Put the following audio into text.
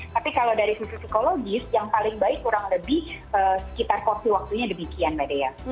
tapi kalau dari sisi psikologis yang paling baik kurang lebih sekitar porsi waktunya demikian mbak dea